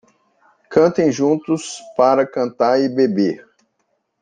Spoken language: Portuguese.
Cantem juntos para cantar e beber